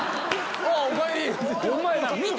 「あっおかえり」。